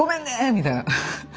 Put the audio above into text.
みたいな。